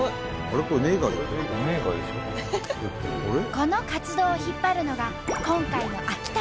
この活動を引っ張るのが今回の秋田ロコ